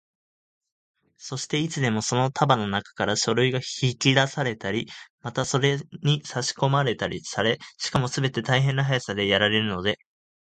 そして、いつでもその束のなかから書類が引き出されたり、またそれにさしこまれたりされ、しかもすべて大変な速さでやられるので、